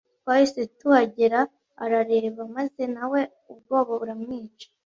Twahise tuhagera arareba maze nawe ubwoba buramwica